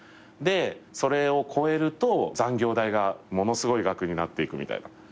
でそれを超えると残業代がものすごい額になっていくみたいな。